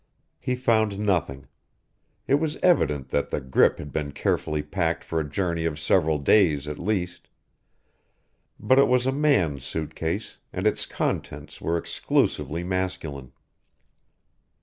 He found nothing. It was evident that the grip had been carefully packed for a journey of several days at least; but it was a man's suit case, and its contents were exclusively masculine.